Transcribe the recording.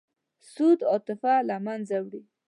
سود عاطفه له منځه وړي.